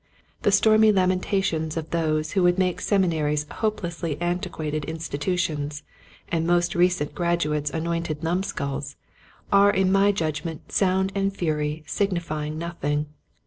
The stormy lamentations of those who would make the Seminaries hopelessly antiquated institutions and most recent graduates anointed numskulls, are in my judgment sound and fury signifying nothing.